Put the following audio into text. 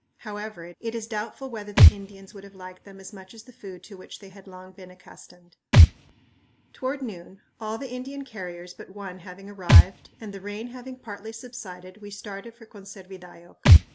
However, it is doubtful whether the Indians would have liked them as much as the food to which they had long been accustomed. Toward noon, all the Indian carriers but one having arrived, and the rain having partly subsided, we started for Conservidayoc.